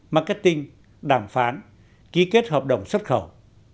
marketing đàm phán ký kết hợp đồng xuất khẩu